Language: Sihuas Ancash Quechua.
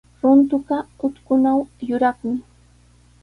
Runtuqa utkunaw yuraqmi.